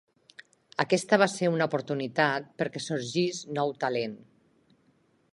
Aquesta va ser una oportunitat perquè sorgís nou talent.